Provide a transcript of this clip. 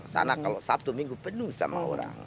sana kalau satu minggu penuh sama orang